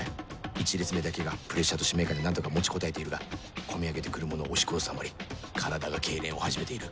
１列目だけがプレッシャーと使命感で何とか持ちこたえているが込み上げて来るものを押し殺すあまり体が痙攣を始めている